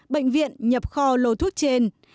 bệnh viện nhập kho lô thuốc trên